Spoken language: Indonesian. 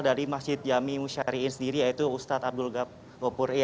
dari masjid jami musyari'in sendiri yaitu ustadz abdul ghabi bopur